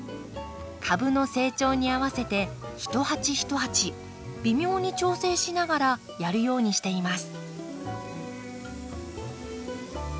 株の成長に合わせて一鉢一鉢微妙に調整しながらやるようにしています。